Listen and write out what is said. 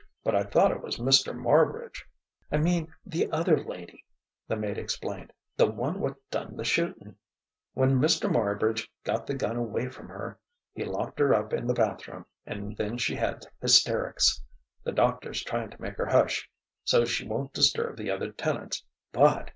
"But I thought it was Mr. Marbridge " "I mean the other lady," the maid explained "the one what done the shooting. When Mr. Marbridge got the gun away from her, he locked her up in the bathroom, and then she had hysterics. The doctor's trying to make her hush, so's she won't disturb the other tenants, but....